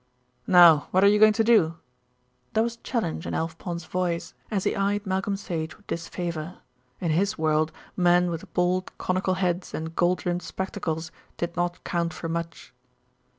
"Now, what are you going to do?" There was challenge in Alf Pond's voice as he eyed Malcolm Sage with disfavour. In his world men with bald, conical heads and gold rimmed spectacles did not count for much.